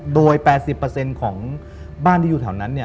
โดย๘๐ของบ้านที่อยู่แถวนั้น